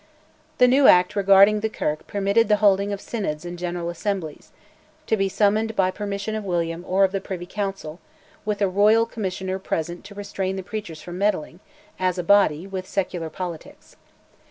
The new Act regarding the Kirk permitted the holding of Synods and General Assemblies, to be summoned by permission of William or of the Privy Council, with a Royal Commissioner present to restrain the preachers from meddling, as a body, with secular politics.